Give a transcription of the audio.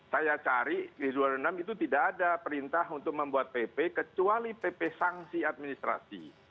saya cari di dua puluh enam itu tidak ada perintah untuk membuat pp kecuali pp sanksi administrasi